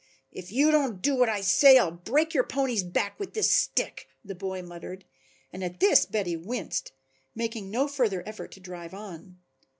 "If you don't do what I say I'll break your pony's back with this stick," the boy muttered, and at this Betty winced, making no further effort to drive on.